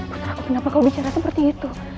entah kenapa kau bicara seperti itu